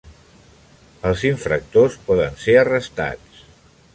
Els infractors poden ser arrestats.